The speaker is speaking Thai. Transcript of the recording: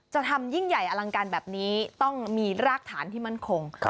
จะทำยิ่งใหญ่อลังการแบบนี้ต้องมีรากฐานที่มั่นคง